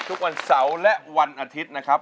ทุกวันหยุดนะครับ